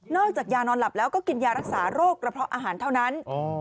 จากยานอนหลับแล้วก็กินยารักษาโรคกระเพาะอาหารเท่านั้น